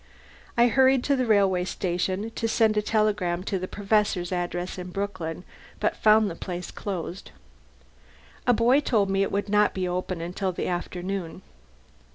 I hurried to the railway station to send a telegram to the Professor's address in Brooklyn, but found the place closed. A boy told me it would not be open until the afternoon.